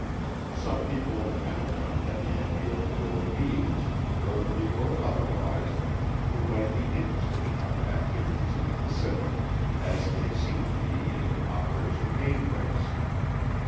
Some people in the Pentagon had the idea that there were beings, earthly or otherwise, who might be interested in our activities in the Pacific, as they seemed to be in Operation Mainbrace.